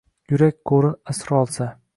Yurak qo’rin asrolsa.